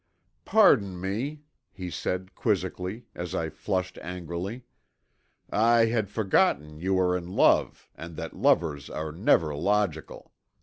"Pardon me," he said quizzically, as I flushed angrily, "I had forgotten you are in love and that lovers are never logical.